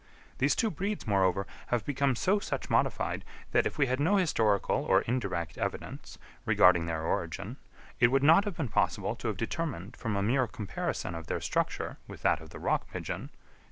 These two breeds, moreover, have become so much modified, that, if we had no historical or indirect evidence regarding their origin, it would not have been possible to have determined from a mere comparison of their structure with that of the rock pigeon, C.